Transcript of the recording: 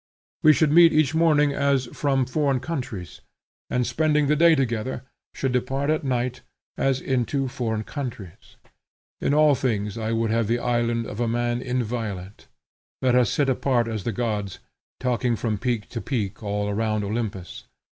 We should meet each morning as from foreign countries, and, spending the day together, should depart at night, as into foreign countries. In all things I would have the island of a man inviolate. Let us sit apart as the gods, talking from peak to peak all round Olympus.